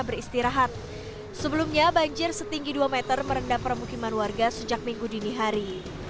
beristirahat sebelumnya banjir setinggi dua meter merendam permukiman warga sejak minggu dini hari